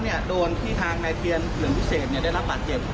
พอยิงเสร็จแล้วโดนที่ทางนายเทียนเหลืองวิเศษได้รับปราณ์เจ็บ